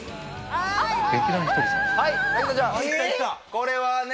これはね